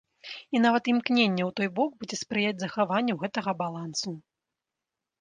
І нават імкненне ў той бок будзе спрыяць захаванню гэтага балансу.